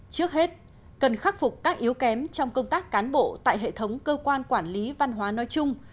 trước hết cần khắc phục các yếu kém trong công tác cán bộ tại hệ thống cơ quan quản lý văn hóa nói chung